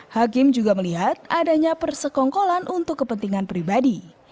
hakim juga melihat adanya persekongkolan untuk kepentingan pribadi